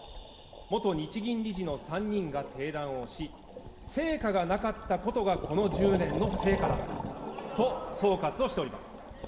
元日銀理事の３人がてい談をし、成果がなかったことがこの１０年の成果だったと総括をしております。